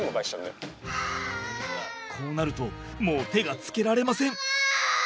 こうなるともう手がつけられません。